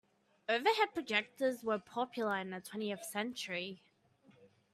Overhead projectors were popular in the twentieth century.